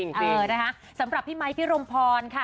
เออนะคะสำหรับพี่ไมค์พี่รมพรค่ะ